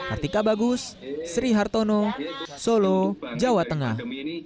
artika bagus sri hartono solo jawa tengah